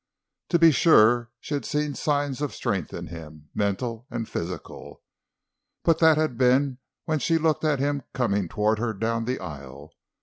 To be sure, she had seen signs of strength in him, mental and physical, but that had been when she looked at him coming toward her down the aisle.